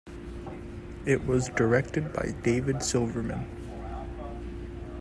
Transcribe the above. It was directed by David Silverman.